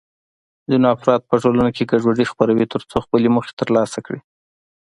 ځینې افراد په ټولنه کې ګډوډي خپروي ترڅو خپلې موخې ترلاسه کړي.